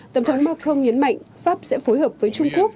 tổng thống macron nhấn mạnh pháp sẽ phối hợp với trung quốc